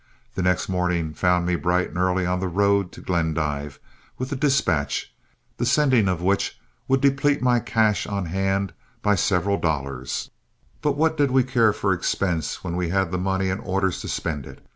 The next morning found me bright and early on the road to Glendive with the dispatch, the sending of which would deplete my cash on hand by several dollars, but what did we care for expense when we had the money and orders to spend it?